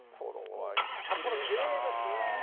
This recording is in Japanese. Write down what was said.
札幌、きれいですね。